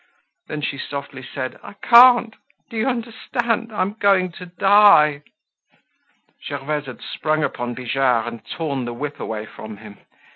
Then she softly said, "I can't—do you understand? I'm going to die." Gervaise had sprung upon Bijard and torn the whip away from him.